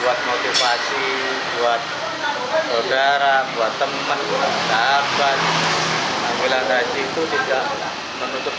juga buat motivasi buat saudara buat teman kurang sabar bantuan rezeki tidak menutup